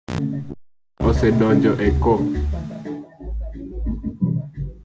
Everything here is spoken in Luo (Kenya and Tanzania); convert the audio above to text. Thuol ose donjo e ko.